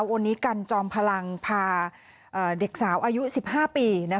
วันนี้กันจอมพลังพาเด็กสาวอายุ๑๕ปี